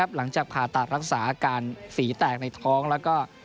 หลังจากผ่าตัดรักษาอาการฝีแตกในท้องแล้วก็